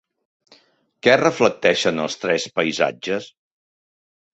Què reflecteixen els tres Paisatges?